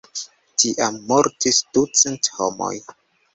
Tiam mortis ducent homoj.